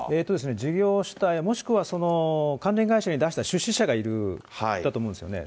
事業主体、もしくは関連会社に出した出資者がいるんだと思うんですよね。